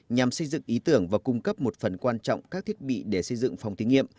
nhằm xây dựng ý tưởng và cung cấp một phần quan trọng các thiết bị để xây dựng phòng thí nghiệm